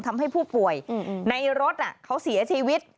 ทำให้ผู้ป่วยในรถเขาเสียชีวิต